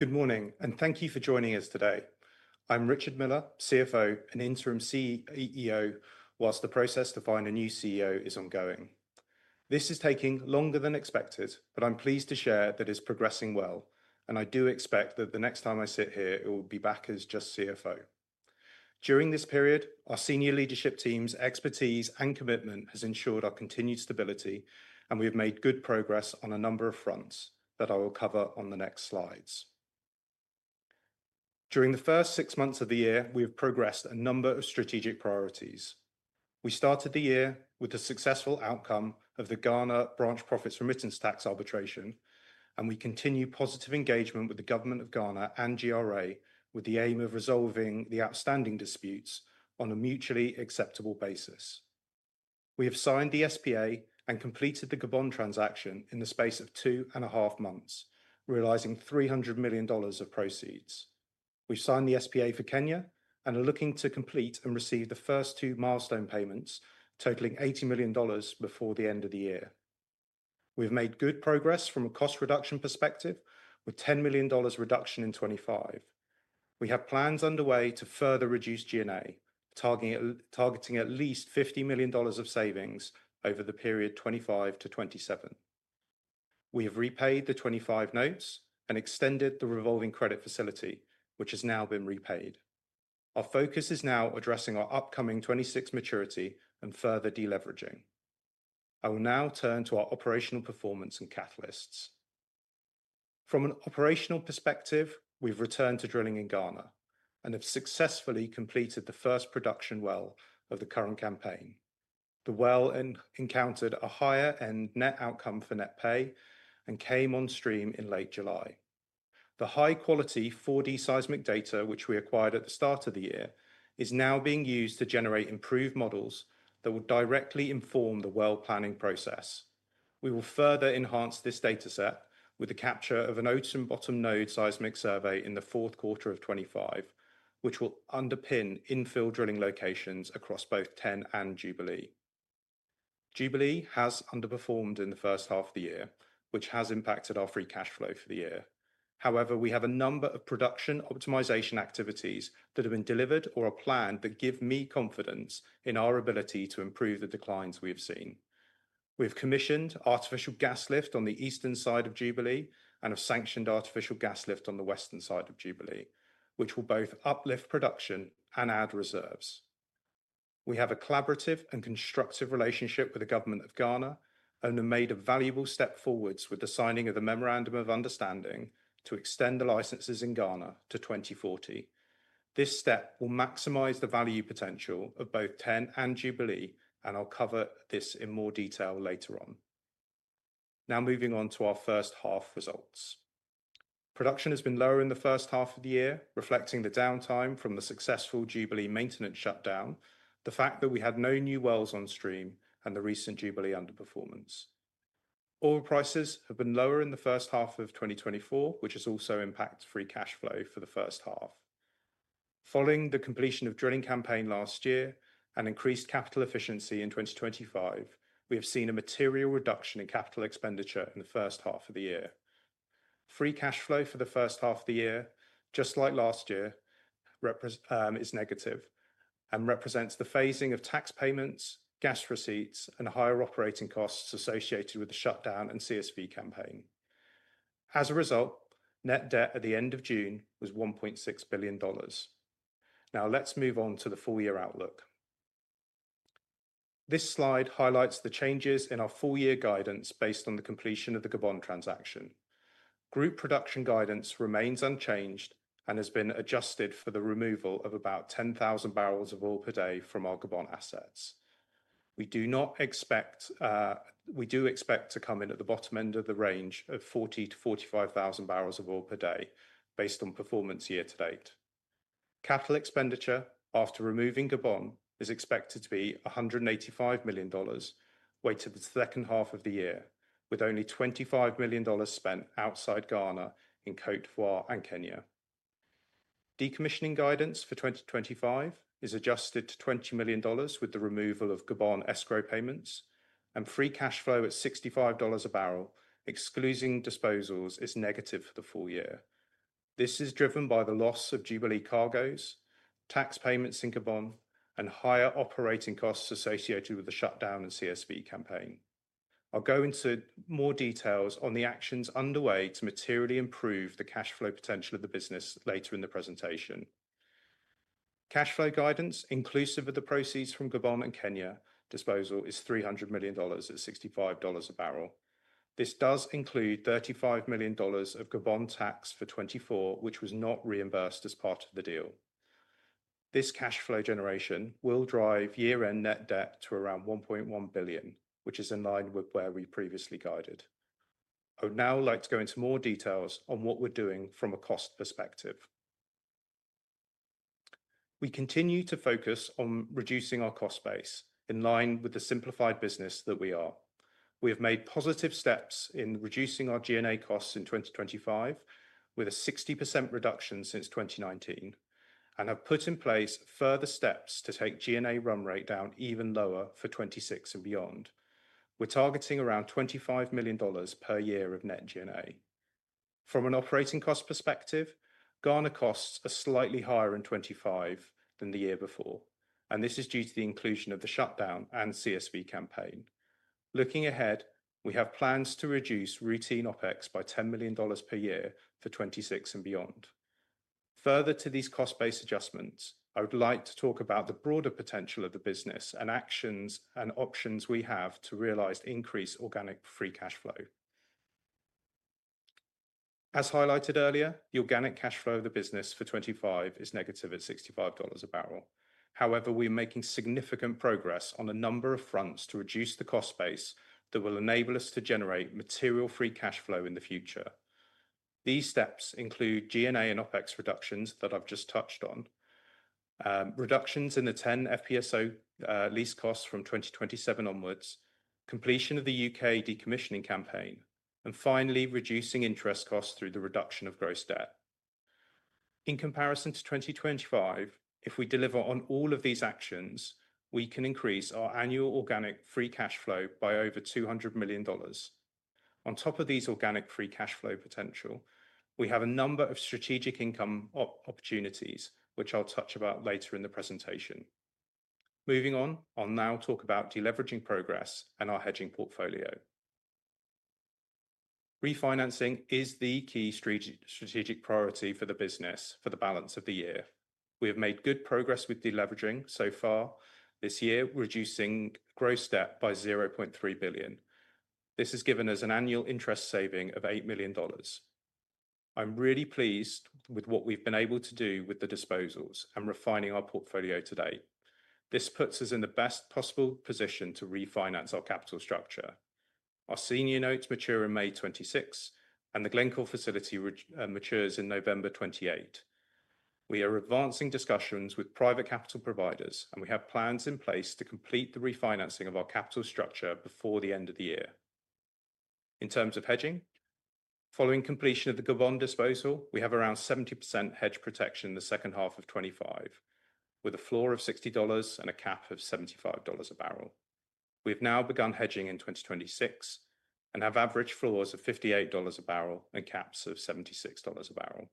Good morning, and thank you for joining us today. I'm Richard Miller, CFO and Interim CEO, whilst the process to find a new CEO is ongoing. This is taking longer than expected, but I'm pleased to share that it is progressing well, and I do expect that the next time I sit here, it will be back as just CFO. During this period, our senior leadership team's expertise and commitment have ensured our continued stability, and we have made good progress on a number of fronts that I will cover on the next slides. During the first six months of the year, we have progressed a number of strategic priorities. We started the year with the successful outcome of the Ghana Branch Profits Remittance Tax Arbitration, and we continue positive engagement with the Government of Ghana and GRA with the aim of resolving the outstanding disputes on a mutually acceptable basis. We have signed the SPA and completed the Gabon transaction in the space of two and a half months, realizing $300 million of proceeds. We've signed the SPA for Kenya and are looking to complete and receive the first two milestone payments, totaling $80 million before the end of the year. We've made good progress from a cost reduction perspective, with a $10 million reduction in 2025. We have plans underway to further reduce G&A, targeting at least $50 million of savings over the period 2025 to 2027. We have repaid the 2025 notes and extended the revolving credit facility, which has now been repaid. Our focus is now addressing our upcoming 2026 maturity and further deleveraging. I will now turn to our operational performance and catalysts. From an operational perspective, we've returned to drilling in Ghana and have successfully completed the first production well of the current campaign. The well encountered a higher-end net outcome for net pay and came on stream in late July. The high-quality 4D seismic data, which we acquired at the start of the year, is now being used to generate improved models that will directly inform the well planning process. We will further enhance this dataset with the capture of an Ocean Bottom Node seismic survey in the fourth quarter of 2025, which will underpin infill drilling locations across both TEN and Jubilee. Jubilee has underperformed in the first half of the year, which has impacted our free cash flow for the year. However, we have a number of production optimization activities that have been delivered or are planned that give me confidence in our ability to improve the declines we have seen. We have commissioned artificial gas lift on the eastern side of Jubilee and have sanctioned artificial gas lift on the western side of Jubilee, which will both uplift production and add reserves. We have a collaborative and constructive relationship with the Government of Ghana and have made a valuable step forward with the signing of the Memorandum of Understanding to extend the licenses in Ghana to 2040. This step will maximize the value potential of both TEN and Jubilee, and I'll cover this in more detail later on. Now, moving on to our first half results. Production has been lower in the first half of the year, reflecting the downtime from the successful Jubilee maintenance shutdown, the fact that we had no new wells on stream, and the recent Jubilee underperformance. Oil prices have been lower in the first half of 2024, which has also impacted free cash flow for the first half. Following the completion of the drilling campaign last year and increased capital efficiency in 2025, we have seen a material reduction in capital expenditure in the first half of the year. Free cash flow for the first half of the year, just like last year, is negative and represents the phasing of tax payments, gas receipts, and higher operating costs associated with the shutdown and CSV campaign. As a result, net debt at the end of June was $1.6 billion. Now, let's move on to the full-year outlook. This slide highlights the changes in our full-year guidance based on the completion of the Gabon transaction. Group production guidance remains unchanged and has been adjusted for the removal of about 10,000 barrels of oil per day from our Gabon assets. We do expect to come in at the bottom end of the range of 40,000-45,000 barrels of oil per day based on performance year to date. Capital expenditure after removing Gabon is expected to be $185 million weighted to the second half of the year, with only $25 million spent outside Ghana in Cote d'Ivoire and Kenya. Decommissioning guidance for 2025 is adjusted to $20 million with the removal of Gabon escrow payments, and free cash flow at $65 a barrel, excluding disposals, is negative for the full year. This is driven by the loss of Jubilee cargoes, tax payments in Gabon, and higher operating costs associated with the shutdown and CSV campaign. I'll go into more details on the actions underway to materially improve the cash flow potential of the business later in the presentation. Cash flow guidance, inclusive of the proceeds from Gabon and Kenya disposal, is $300 million at $65 a barrel. This does include $35 million of Gabon tax for 2024, which was not reimbursed as part of the deal. This cash flow generation will drive year-end net debt to around $1.1 billion, which is in line with where we previously guided. Now, let's go into more details on what we're doing from a cost perspective. We continue to focus on reducing our cost base in line with the simplified business that we are. We have made positive steps in reducing our G&A costs in 2025, with a 60% reduction since 2019, and have put in place further steps to take G&A run rate down even lower for 2026 and beyond. We're targeting around $25 million per year of net G&A. From an operating cost perspective, Ghana costs are slightly higher in 2025 than the year before, and this is due to the inclusion of the shutdown and CSV campaign. Looking ahead, we have plans to reduce routine OpEx by $10 million per year for 2026 and beyond. Further to these cost-based adjustments, I would like to talk about the broader potential of the business and actions and options we have to realize increased organic free cash flow. As highlighted earlier, the organic cash flow of the business for 2025 is negative at $65 a barrel. However, we're making significant progress on a number of fronts to reduce the cost base that will enable us to generate material free cash flow in the future. These steps include G&A and OpEx reductions that I've just touched on, reductions in the TEN FPSO lease costs from 2027 onwards, completion of the UK decommissioning campaign, and finally, reducing interest costs through the reduction of gross debt. In comparison to 2025, if we deliver on all of these actions, we can increase our annual organic free cash flow by over $200 million. On top of these organic free cash flow potential, we have a number of strategic income opportunities, which I'll touch about later in the presentation. Moving on, I'll now talk about deleveraging progress and our hedging portfolio. Refinancing is the key strategic priority for the business for the balance of the year. We have made good progress with deleveraging so far this year, reducing gross debt by $0.3 billion. This has given us an annual interest saving of $8 million. I'm really pleased with what we've been able to do with the disposals and refining our portfolio today. This puts us in the best possible position to refinance our capital structure. Our senior notes mature in May 2026, and the Glencore facility matures in November 2028. We are advancing discussions with private capital providers, and we have plans in place to complete the refinancing of our capital structure before the end of the year. In terms of hedging, following completion of the Gabon disposal, we have around 70% hedge protection in the second half of 2025, with a floor of $60 and a cap of $75 a barrel. We have now begun hedging in 2026 and have average floors of $58 a barrel and caps of $76 a barrel.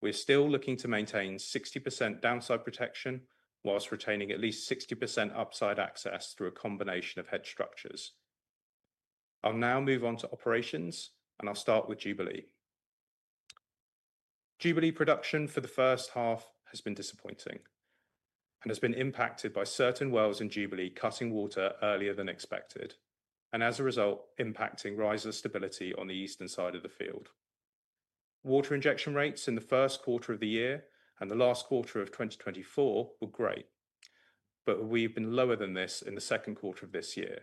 We are still looking to maintain 60% downside protection whilst retaining at least 60% upside access through a combination of hedge structures. I'll now move on to operations, and I'll start with Jubilee. Jubilee production for the first half has been disappointing and has been impacted by certain wells in Jubilee cutting water earlier than expected, and as a result, impacting riser stability on the eastern side of the field. Water injection rates in the first quarter of the year and the last quarter of 2024 were great, but we've been lower than this in the second quarter of this year,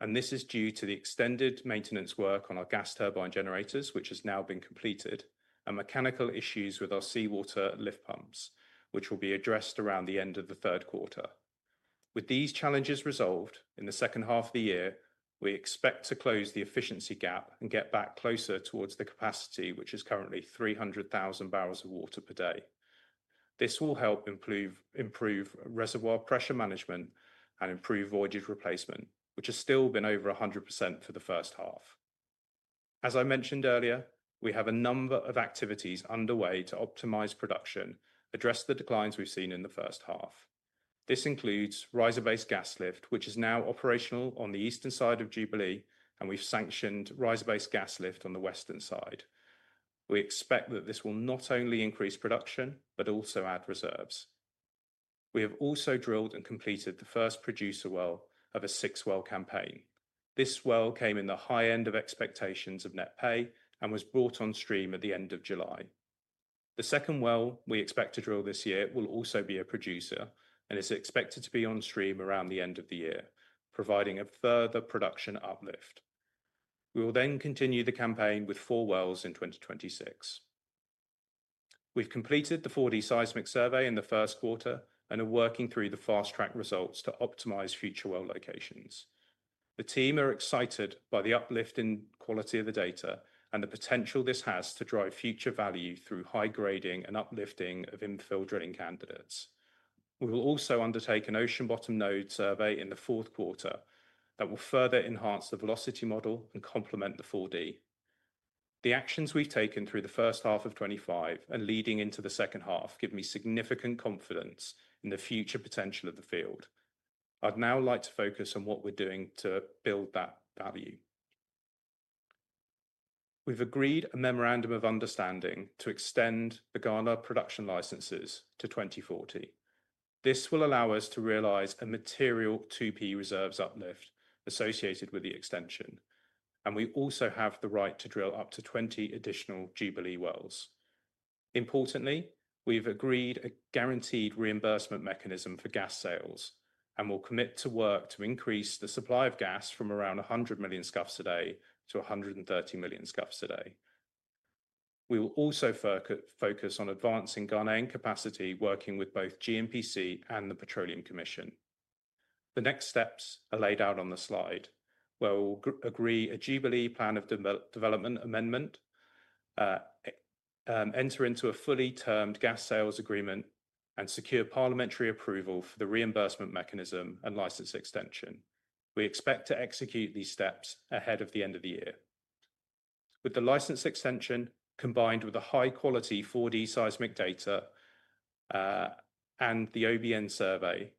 and this is due to the extended maintenance work on our gas turbine generators, which has now been completed, and mechanical issues with our seawater lift pumps, which will be addressed around the end of the third quarter. With these challenges resolved in the second half of the year, we expect to close the efficiency gap and get back closer towards the capacity, which is currently 300,000 barrels of water per day. This will help improve reservoir pressure management and improve voidage replacement, which has still been over 100% for the first half. As I mentioned earlier, we have a number of activities underway to optimize production, address the declines we've seen in the first half. This includes riser-based gas lift, which is now operational on the eastern side of Jubilee, and we've sanctioned riser-based gas lift on the western side. We expect that this will not only increase production but also add reserves. We have also drilled and completed the first producer well of a six-well campaign. This well came in the high end of expectations of net pay and was brought on stream at the end of July. The second well we expect to drill this year will also be a producer and is expected to be on stream around the end of the year, providing a further production uplift. We will then continue the campaign with four wells in 2026. We've completed the 4D seismic survey in the first quarter and are working through the fast-track results to optimize future well locations. The team are excited by the uplift in quality of the data and the potential this has to drive future value through high grading and uplifting of infill drilling candidates. We will also undertake an Ocean Bottom Node survey in the fourth quarter that will further enhance the velocity model and complement the 4D. The actions we've taken through the first half of 2025 and leading into the second half give me significant confidence in the future potential of the field. I'd now like to focus on what we're doing to build that value. We've agreed a Memorandum of Understanding to extend the Ghana production licenses to 2040. This will allow us to realize a material 2P reserves uplift associated with the extension, and we also have the right to drill up to 20 additional Jubilee wells. Importantly, we've agreed a guaranteed reimbursement mechanism for gas sales and will commit to work to increase the supply of gas from around 100 million scuffs a day to 130 million scuffs a day. We will also focus on advancing Ghana's capacity, working with both GNPC and the Petroleum Commission. The next steps are laid out on the slide. We'll agree a Jubilee Plan of Development amendment, enter into a fully termed gas sales agreement, and secure parliamentary approval for the reimbursement mechanism and license extension. We expect to execute these steps ahead of the end of the year. With the license extension combined with the high-quality 4D seismic data and the OBN survey,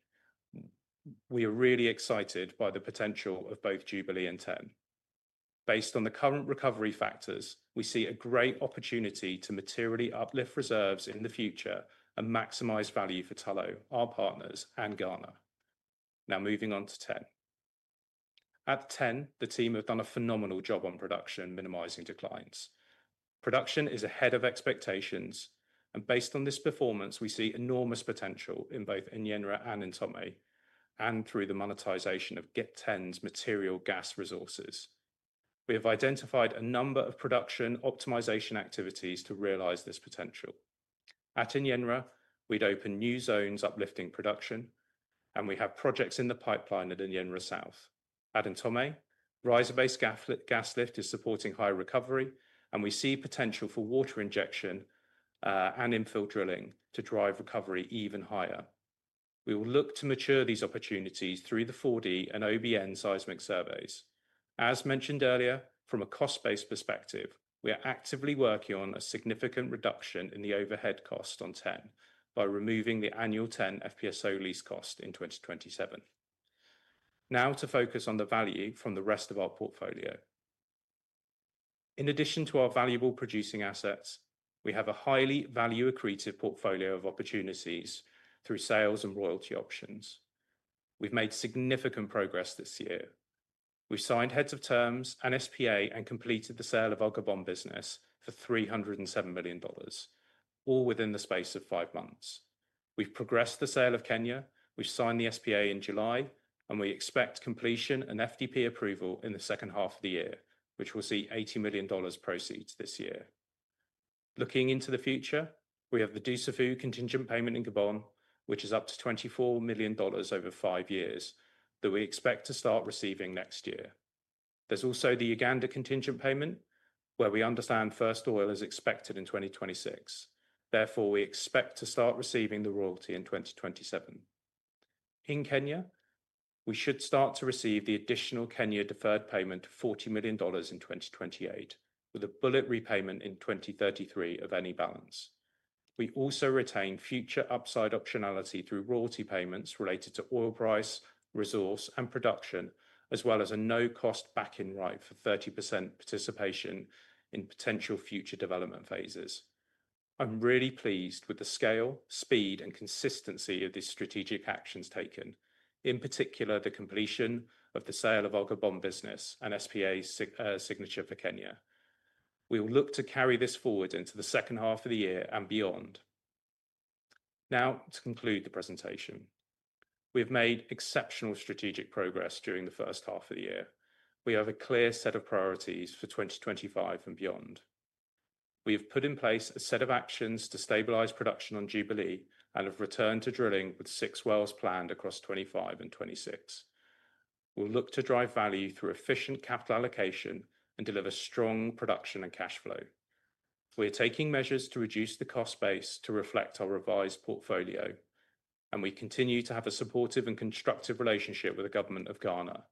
we are really excited by the potential of both Jubilee and TEN. Based on the current recovery factors, we see a great opportunity to materially uplift reserves in the future and maximize value for Tullow, our partners, and Ghana. Now, moving on to TEN. At TEN, the team have done a phenomenal job on production, minimizing declines. Production is ahead of expectations, and based on this performance, we see enormous potential in both Enyenra and Ntomme and through the monetization of TEN's material gas resources. We have identified a number of production optimization activities to realize this potential. At Enyenra, we'd open new zones uplifting production, and we have projects in the pipeline at Enyenra South. At Ntomme, riser-based gas lift is supporting high recovery, and we see potential for water injection and infill drilling to drive recovery even higher. We will look to mature these opportunities through the 4D and OBN seismic surveys. As mentioned earlier, from a cost-based perspective, we are actively working on a significant reduction in the overhead cost on TEN by removing the annual TEN FPSO lease cost in 2027. Now, to focus on the value from the rest of our portfolio. In addition to our valuable producing assets, we have a highly value accretive portfolio of opportunities through sales and royalty options. We've made significant progress this year. We've signed heads of terms and SPA and completed the sale of our Gabon business for $307 million, all within the space of five months. We've progressed the sale of Kenya. We've signed the SPA in July, and we expect completion and FDP approval in the second half of the year, which will see $80 million proceeds this year. Looking into the future, we have the Dussafu contingent payment in Gabon, which is up to $24 million over five years that we expect to start receiving next year. There's also the Uganda contingent payment where we understand first oil is expected in 2026. Therefore, we expect to start receiving the royalty in 2027. In Kenya, we should start to receive the additional Kenya deferred payment of $40 million in 2028, with a bullet repayment in 2033 of any balance. We also retain future upside optionality through royalty payments related to oil price, resource, and production, as well as a no-cost back-in right for 30% participation in potential future development phases. I'm really pleased with the scale, speed, and consistency of these strategic actions taken, in particular the completion of the sale of our Gabon business and SPA signature for Kenya. We'll look to carry this forward into the second half of the year and beyond. Now, to conclude the presentation, we have made exceptional strategic progress during the first half of the year. We have a clear set of priorities for 2025 and beyond. We have put in place a set of actions to stabilize production on Jubilee and have returned to drilling with six wells planned across 2025 and 2026. We'll look to drive value through efficient capital allocation and deliver strong production and cash flow. We are taking measures to reduce the cost base to reflect our revised portfolio, and we continue to have a supportive and constructive relationship with the Government of Ghana,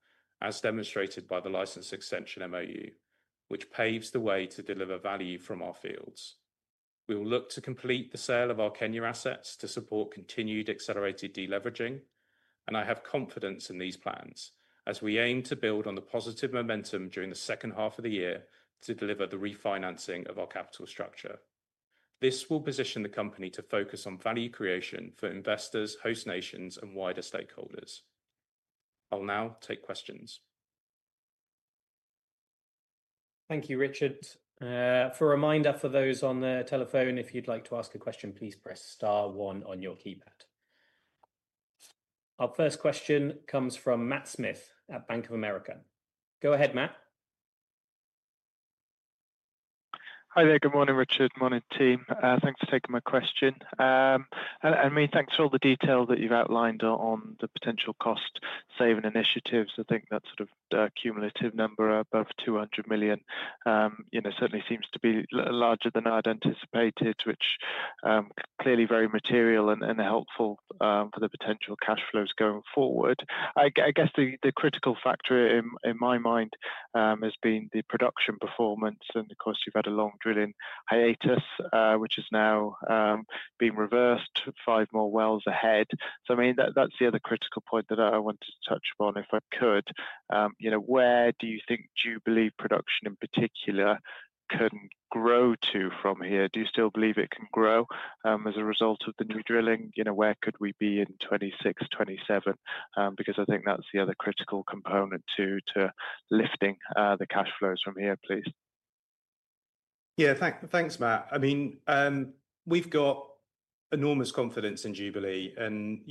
as demonstrated by the license extension MoU, which paves the way to deliver value from our fields. We will look to complete the sale of our Kenya assets to support continued accelerated deleveraging, and I have confidence in these plans as we aim to build on the positive momentum during the second half of the year to deliver the refinancing of our capital structure. This will position the company to focus on value creation for investors, host nations, and wider stakeholders. I'll now take questions. Thank you, Richard. For a reminder for those on the telephone, if you'd like to ask a question, please press star one on your keypad. Our first question comes from Matt Smith at Bank of America. Go ahead, Matt. Hi there. Good morning, Richard. Morning, team. Thanks for taking my question. Thanks for all the detail that you've outlined on the potential cost-saving initiatives. I think that sort of cumulative number of $200 million certainly seems to be larger than I'd anticipated, which is clearly very material and helpful for the potential cash flows going forward. I guess the critical factor in my mind has been the production performance, and of course, you've had a long drilling hiatus, which has now been reversed, five more wells ahead. That's the other critical point that I want to touch upon if I could. Where do you think Jubilee production in particular can grow to from here? Do you still believe it can grow as a result of the new drilling? Where could we be in 2026, 2027? I think that's the other critical component to lifting the cash flows from here, please. Yeah, thanks, Matt. I mean, we've got enormous confidence in Jubilee, and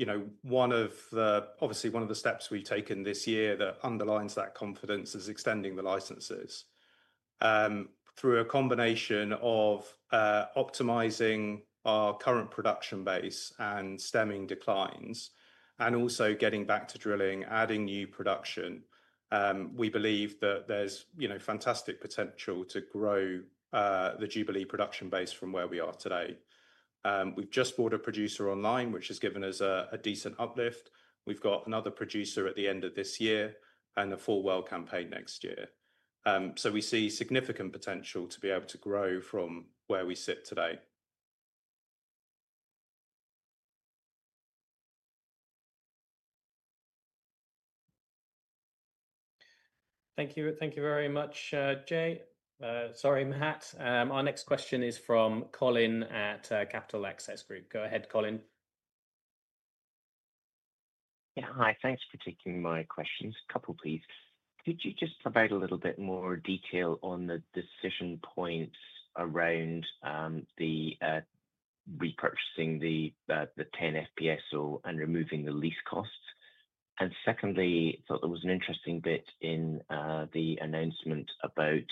obviously, one of the steps we've taken this year that underlines that confidence is extending the licenses through a combination of optimizing our current production base and stemming declines, and also getting back to drilling, adding new production. We believe that there's fantastic potential to grow the Jubilee production base from where we are today. We've just brought a producer online, which has given us a decent uplift. We've got another producer at the end of this year and a full well campaign next year. We see significant potential to be able to grow from where we sit today. Thank you. Thank you very much, Jay. Sorry, Matt. Our next question is from Colin at Capital Access Group. Go ahead, Colin. Yeah, hi. Thanks for taking my questions. A couple, please. Could you just provide a little bit more detail on the decision points around repurchasing the TEN FPSO and removing the lease costs? Secondly, I thought there was an interesting bit in the announcement about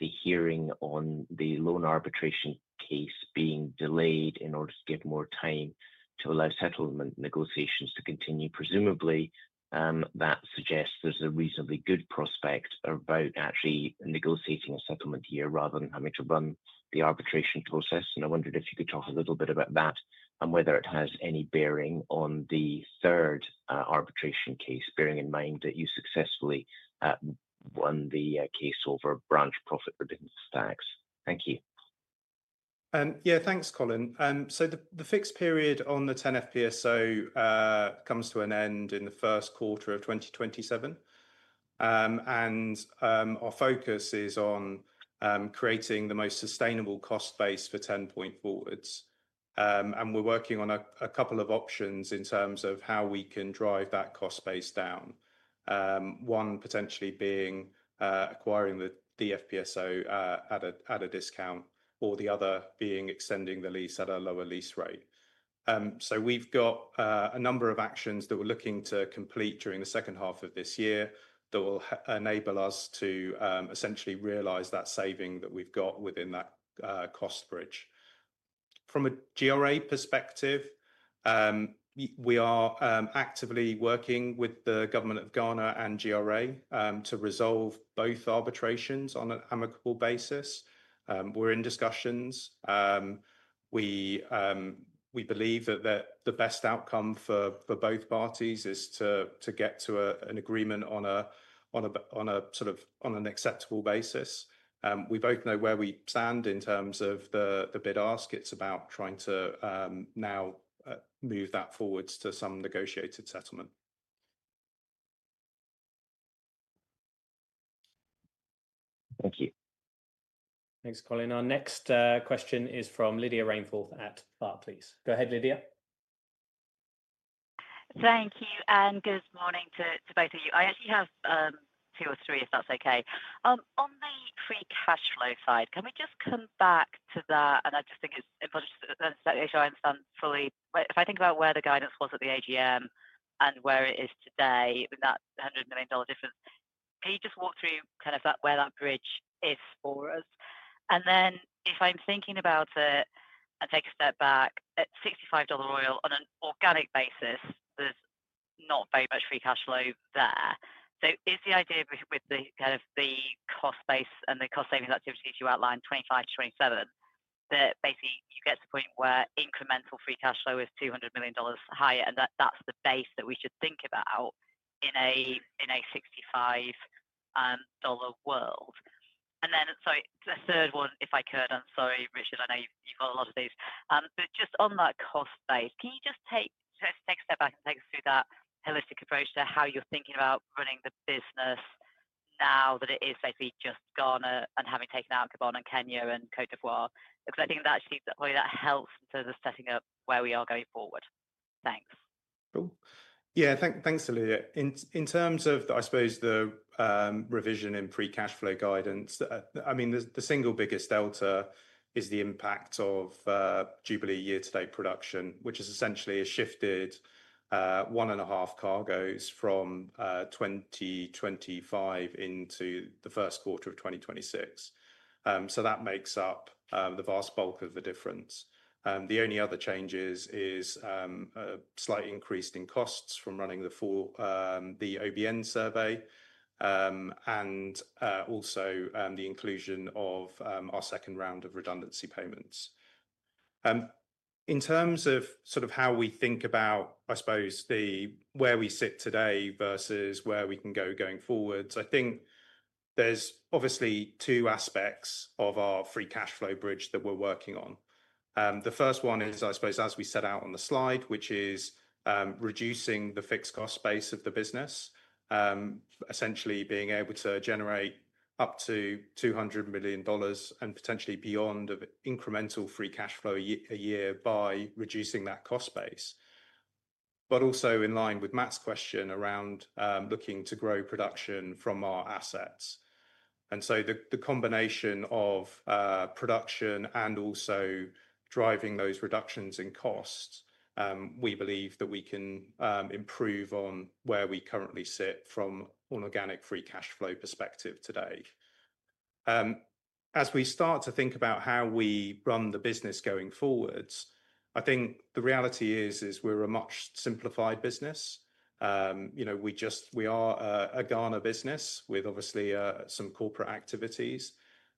the hearing on the loan arbitration case being delayed in order to give more time to allow settlement negotiations to continue. Presumably, that suggests there's a reasonably good prospect about actually negotiating a settlement here rather than having to run the arbitration process. I wondered if you could talk a little bit about that and whether it has any bearing on the third arbitration case, bearing in mind that you successfully won the case over Branch Profit Remittance Tax. Thank you. Yeah, thanks, Colin. The fixed period on the TEN FPSO comes to an end in the first quarter of 2027, and our focus is on creating the most sustainable cost base for TEN point forwards. We're working on a couple of options in terms of how we can drive that cost base down, one potentially being acquiring the FPSO at a discount, or the other being extending the lease at a lower lease rate. We've got a number of actions that we're looking to complete during the second half of this year that will enable us to essentially realize that saving that we've got within that cost bridge. From a GRA perspective, we are actively working with the Government of Ghana and GRA to resolve both arbitrations on an amicable basis. We're in discussions. We believe that the best outcome for both parties is to get to an agreement on a sort of acceptable basis. We both know where we stand in terms of the bid ask. It's about trying to now move that forward to some negotiated settlement. Thank you. Thanks, Colin. Our next question is from Lydia Rainforth at Barclays. Go ahead, Lydia. Thank you, and good morning to both of you. I actually have two or three, if that's okay. On the free cash flow side, can we just come back to that? I think it's important to make sure I understand fully. If I think about where the guidance was at the AGM and where it is today, and that $100 million difference, can you just walk through kind of where that bridge is for us? If I'm thinking about it and take a step back, at $65 oil on an organic basis, there's not very much free cash flow there. Is the idea with the kind of the cost base and the cost-saving activities you outlined for 2025 to 2027 that basically you get to the point where incremental free cash flow is $200 million higher? That's the base that we should think about in a $65 world. Sorry, the third one, if I could, I'm sorry, Richard, I know you've got a lot of these, but just on that cost base, can you take a step back and take us through that holistic approach to how you're thinking about running the business now that it is basically just Ghana and having taken out Gabon and Kenya and Cote d'Ivoire? I think that actually probably helps in terms of setting up where we are going forward. Thanks. Yeah, thanks to Lydia. In terms of, I suppose, the revision in free cash flow guidance, the single biggest delta is the impact of Jubilee year-to-date production, which is essentially a shifted one and a half cargos from 2025 into the first quarter of 2026. That makes up the vast bulk of the difference. The only other changes are a slight increase in costs from running the OBN survey and also the inclusion of our second round of redundancy payments. In terms of how we think about where we sit today versus where we can go going forward, I think there are obviously two aspects of our free cash flow bridge that we're working on. The first one is, as we set out on the slide, reducing the fixed cost base of the business, essentially being able to generate up to $200 million and potentially beyond of incremental free cash flow a year by reducing that cost base. Also, in line with Matt's question around looking to grow production from our assets, the combination of production and driving those reductions in costs, we believe that we can improve on where we currently sit from an organic free cash flow perspective today. As we start to think about how we run the business going forward, the reality is we're a much simplified business. We are a Ghana business with obviously some corporate activities,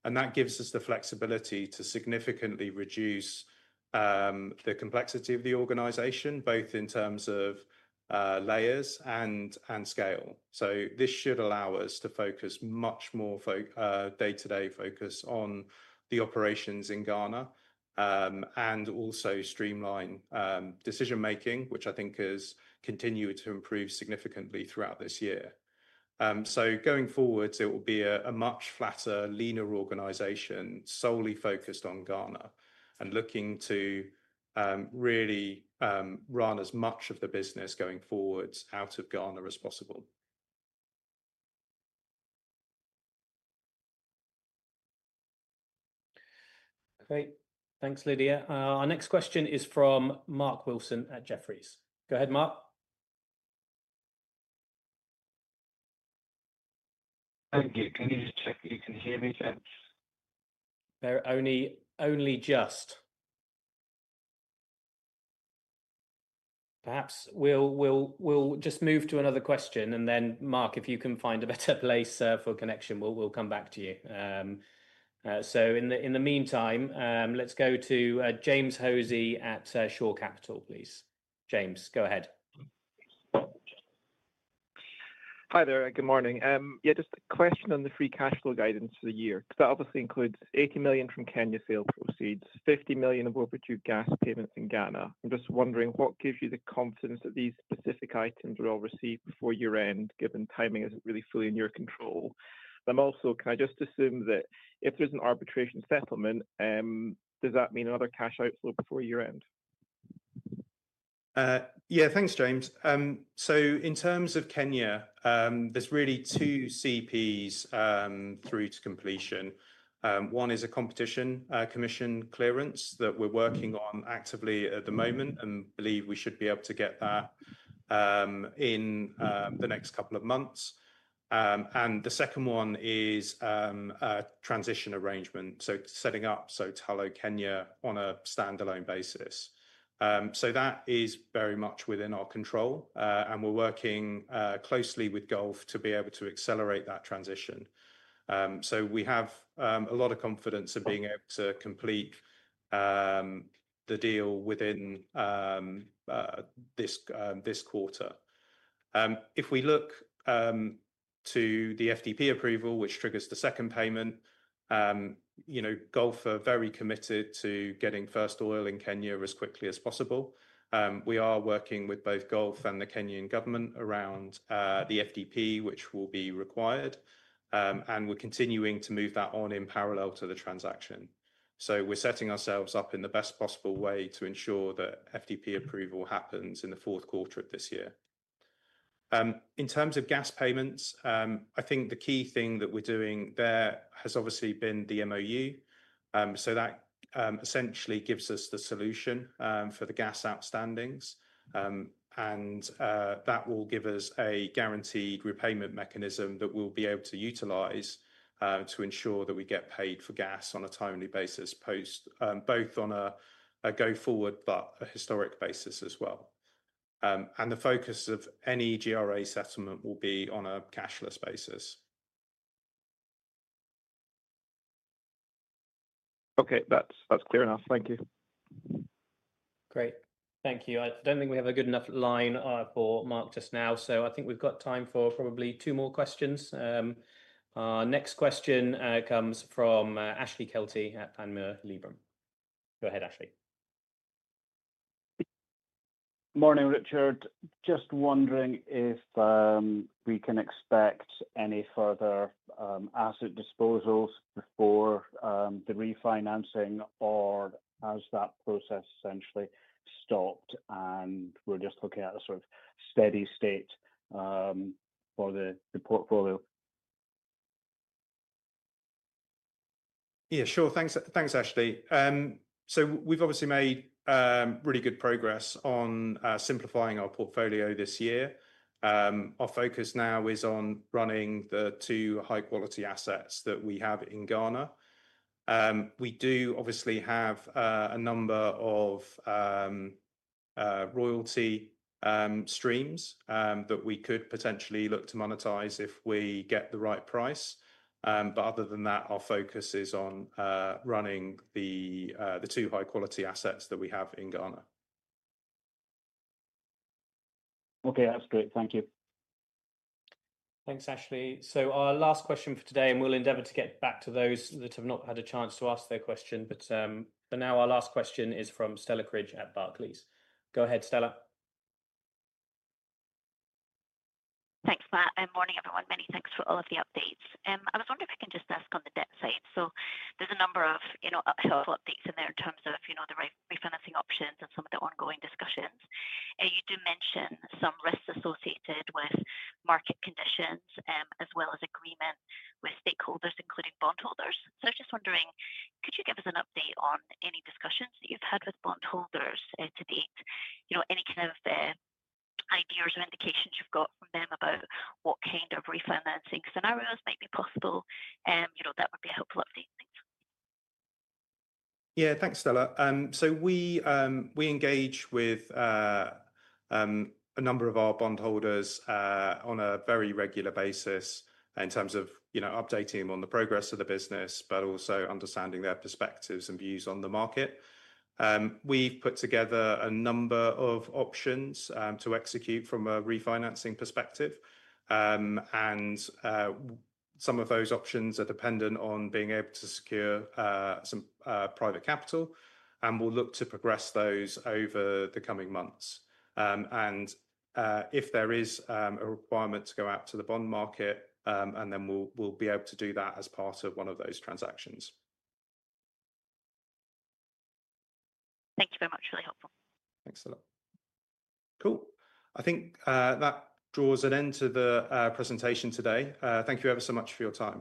and that gives us the flexibility to significantly reduce the complexity of the organization, both in terms of layers and scale. This should allow us to focus much more day-to-day on the operations in Ghana and also streamline decision-making, which I think has continued to improve significantly throughout this year. Going forward, it will be a much flatter, leaner organization solely focused on Ghana and looking to really run as much of the business going forward out of Ghana as possible. Great. Thanks, Lydia. Our next question is from Mark Wilson at Jefferies. Go ahead, Mark. Perhaps we'll just move to another question, and then Mark, if you can find a better place for connection, we'll come back to you. In the meantime, let's go to James Hos at Shore Capital, please. James, go ahead. Hi there. Good morning. Just a question on the free cash flow guidance for the year, because that obviously includes $80 million from Kenya sales proceeds, $50 million of overdue gas payments in Ghana. I'm just wondering what gives you the confidence that these specific items are all received before year-end, given timing isn't really fully in your control. Also, can I just assume that if there's an arbitration settlement, does that mean another cash outflow before year-end? Yeah, thanks, James. In terms of Kenya, there's really two CPs through to completion. One is a competition commission clearance that we're working on actively at the moment and believe we should be able to get that in the next couple of months. The second one is a transition arrangement, setting up Tullow-Kenya on a standalone basis. That is very much within our control, and we're working closely with Gulf to be able to accelerate that transition. We have a lot of confidence in being able to complete the deal within this quarter. If we look to the FDP approval, which triggers the second payment, Gulf are very committed to getting first oil in Kenya as quickly as possible. We are working with both the Government of Kenya and the Kenyan government around the FDP, which will be required, and we're continuing to move that on in parallel to the transaction. We're setting ourselves up in the best possible way to ensure that FDP approval happens in the fourth quarter of this year. In terms of gas payments, the key thing that we're doing there has obviously been the MoU. That essentially gives us the solution for the gas outstandings, and that will give us a guaranteed repayment mechanism that we'll be able to utilize to ensure that we get paid for gas on a timely basis, both on a go-forward and a historic basis as well. The focus of any GRA settlement will be on a cashless basis. Okay, that's clear enough. Thank you. Great. Thank you. I don't think we have a good enough line for Mark just now. I think we've got time for probably two more questions. Our next question comes from Ashley Kelty at Panmure Liberum. Go ahead, Ashley. Morning, Richard. Just wondering if we can expect any further asset disposals before the refinancing, or has that process essentially stopped and we're just looking at a sort of steady state for the portfolio? Yeah, sure. Thanks, Ashley. We've obviously made really good progress on simplifying our portfolio this year. Our focus now is on running the two high-quality assets that we have in Ghana. We do obviously have a number of royalty streams that we could potentially look to monetize if we get the right price. Other than that, our focus is on running the two high-quality assets that we have in Ghana. Okay, that's great. Thank you. Thanks, Ashley. Our last question for today, and we'll endeavor to get back to those that have not had a chance to ask their question, for now, our last question is from Stella Cridge at Barclays. Go ahead, Stella. Thanks, Matt. Good morning, everyone. Many thanks for all of the updates. I was wondering if I can just ask on the debt side. There are a number of helpful updates in there in terms of the refinancing options and some of the ongoing discussions. You do mention some risks associated with market conditions as well as agreements with stakeholders, including bondholders. I was just wondering, could you give us an update on any discussions that you've had with bondholders to date? Any kind of ideas or indications you've got from them about what kind of refinancing scenarios might be possible? That would be a helpful update. Yeah, thanks, Stella. We engage with a number of our bondholders on a very regular basis in terms of updating them on the progress of the business, but also understanding their perspectives and views on the market. We've put together a number of options to execute from a refinancing perspective, and some of those options are dependent on being able to secure some private capital. We'll look to progress those over the coming months. If there is a requirement to go out to the bond market, then we'll be able to do that as part of one of those transactions. Thank you very much. Really helpful. Excellent. Cool. I think that draws an end to the presentation today. Thank you ever so much for your time.